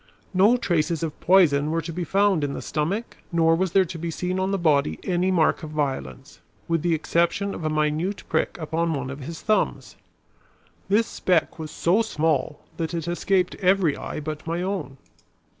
No traces of poison were to be, found in the stomach nor was there to be seen on the body any mark of violence, with the exception of a minute prick upon one of his thumbs. This speck was so small that it escaped every eye but my own.